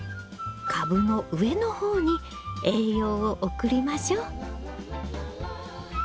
株の上の方に栄養を送りましょう。